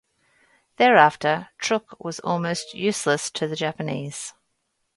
Thereafter Truk was almost useless to the Japanese.